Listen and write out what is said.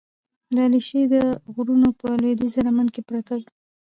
د علیشې د غرونو په لودیځه لمن کې پرته ده،